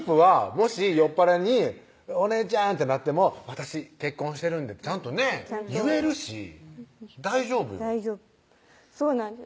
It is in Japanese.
もし酔っ払いに「お姉ちゃん」ってなっても「私結婚してるんで」ってちゃんとね言えるし大丈夫よそうなんです